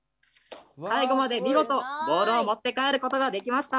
最後まで見事ボールを持って帰ることができました。